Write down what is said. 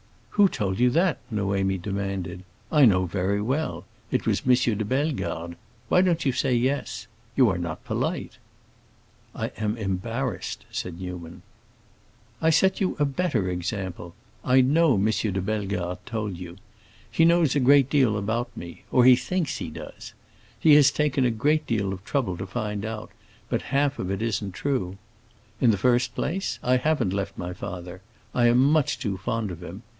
"Who told you that?" Noémie demanded. "I know very well. It was M. de Bellegarde. Why don't you say yes? You are not polite." "I am embarrassed," said Newman. "I set you a better example. I know M. de Bellegarde told you. He knows a great deal about me—or he thinks he does. He has taken a great deal of trouble to find out, but half of it isn't true. In the first place, I haven't left my father; I am much too fond of him.